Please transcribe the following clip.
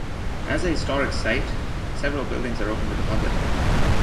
As a historic site, several buildings are open to the public.